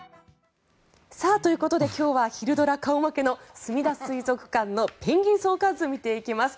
ということで今日は昼ドラ顔負けのすみだ水族館のペンギン相関図を見ていきます。